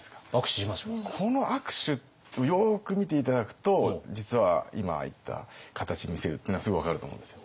この握手よく見て頂くと実は今言った形に見せるっていうのはすごい分かると思うんですよ。